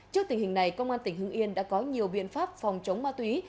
trước tình hình này công an tỉnh hưng yên đã có nhiều biện pháp phòng chống ma túy